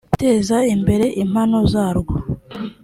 guteza imbere impano zarwo